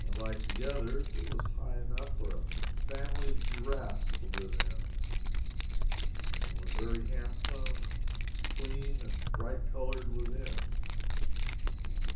Like the others, it was high enough for a family of giraffes to live in, and was very handsome and clean and bright colored within.